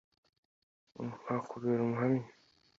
nkakubera umuhamya